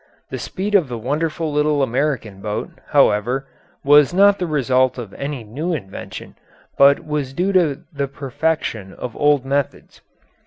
The speed of the wonderful little American boat, however, was not the result of any new invention, but was due to the perfection of old methods.